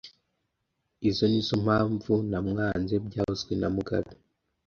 Izoi nizoo mpamvu namwanze byavuzwe na mugabe